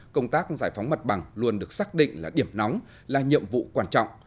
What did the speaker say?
công tác giải phóng mặt bằng luôn được xác định là điểm nóng là nhiệm vụ quan trọng